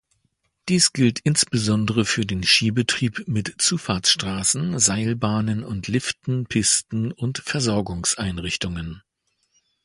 Dies gilt insbesondere für den Skibetrieb mit Zufahrtsstraßen, Seilbahnen und Liften, Pisten und Versorgungseinrichtungen.